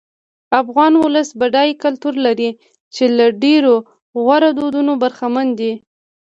افغان ولس بډای کلتور لري چې له ډېرو غوره دودونو برخمن دی.